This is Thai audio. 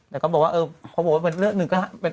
แล้วก็บอกว่าเออพอบอกว่าเป็นเลิกนึงก็